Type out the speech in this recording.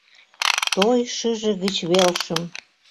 Той шыже гыч велшым